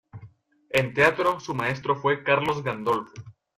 En teatro su maestro fue Carlos Gandolfo.